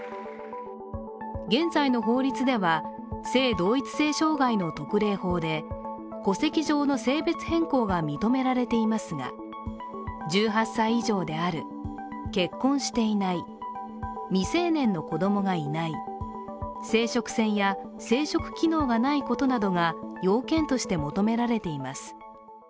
現在の法律では、性同一性障害の特例法で戸籍上の性別変更が認められていますが、１８歳以上である、結婚していない未成年の子供がいない生殖腺や生殖機能がないことなどが要件として認められています。